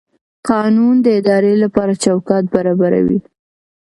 قانون د ادارې لپاره چوکاټ برابروي.